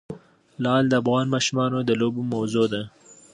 لعل د افغان ماشومانو د لوبو موضوع ده.